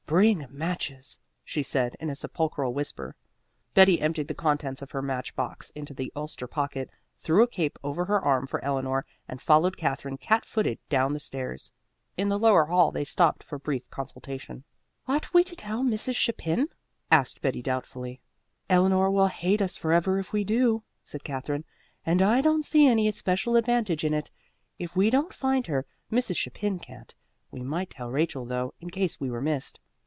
"Bring matches," she said in a sepulchral whisper. Betty emptied the contents of her match box into her ulster pocket, threw a cape over her arm for Eleanor, and followed Katherine cat footed down the stairs. In the lower hall they stopped for a brief consultation. "Ought we to tell Mrs. Chapin?" asked Betty doubtfully. "Eleanor will hate us forever if we do," said Katherine, "and I don't see any special advantage in it. If we don't find her, Mrs. Chapin can't. We might tell Rachel though, in case we were missed."